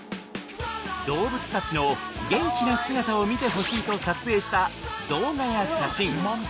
動物たちの元気な姿を見てほしいと撮影した動画や写真